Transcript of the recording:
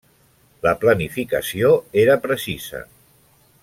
La planificació era precisa.